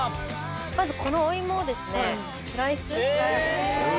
まず、このお芋をスライス。